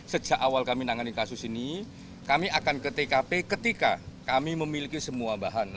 sejak awal kami menangani kasus ini kami akan ke tkp ketika kami memiliki semua bahan